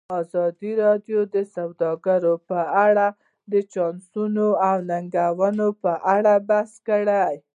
ازادي راډیو د سوداګري په اړه د چانسونو او ننګونو په اړه بحث کړی.